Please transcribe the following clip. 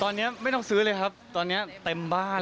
ตอนนี้ไม่ต้องซื้อเลยครับตอนนี้เต็มบ้าน